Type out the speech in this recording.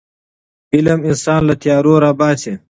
علم انسان له تیارو راباسي.